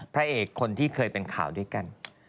พระเอกคนที่เคยเป็นข่าวด้วยกัน